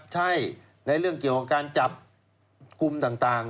ใช่ในเรื่องยังการจับกุมต่าง